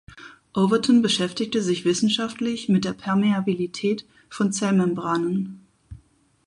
Overton beschäftigte sich wissenschaftlich mit der Permeabilität von Zellmembranen.